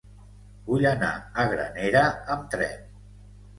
Vull anar a Granera amb tren.